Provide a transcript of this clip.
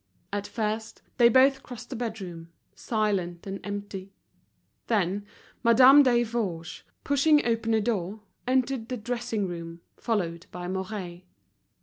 At first, they both crossed the bedroom, silent and empty. Then Madame Desforges, pushing open a door, entered the dressing room, followed by Mouret.